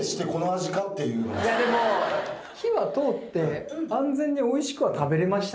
いやでも火は通って安全においしくは食べれましたね。